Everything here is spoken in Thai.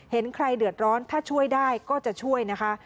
เห็นใครเดือดร้อนถ้าช่วยได้ก็จะช่วยนะคะ